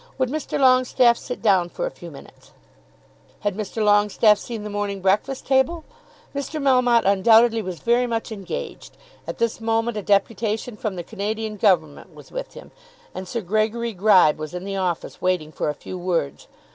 Would Mr. Longestaffe sit down for a few minutes? Had Mr. Longestaffe seen the "Morning Breakfast Table"? Mr. Melmotte undoubtedly was very much engaged. At this moment a deputation from the Canadian Government was with him; and Sir Gregory Gribe was in the office waiting for a few words.